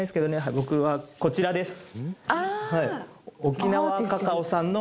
僕はこちらです・ああ